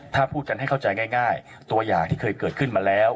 ถ้าพูดกันให้เข้าใจง่ายตัวอย่างที่เคยเกิดขึ้นมาแล้ว